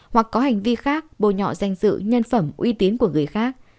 hoặc có hành vi khác bôi nhọ danh dự nhân phẩm uy tín của người khác